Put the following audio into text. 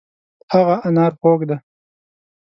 هغه انار خوږ دی.